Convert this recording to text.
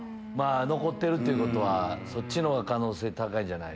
残ってるっていうことはそっちのほうが可能性高い。